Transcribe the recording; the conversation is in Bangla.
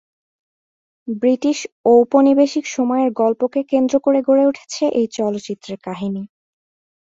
ব্রিটিশ ঔপনিবেশিক সময়ের গল্পকে কেন্দ্র করে গড়ে উঠেছে এই চলচ্চিত্রের কাহিনি।